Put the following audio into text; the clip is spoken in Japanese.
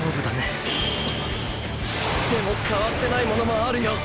でも変わってないものもあるよ。